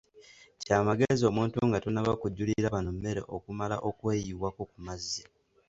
Ky'amagezi omuntu nga tonnaba kujjulira banno mmere okumala okweyiwako ku mazzi.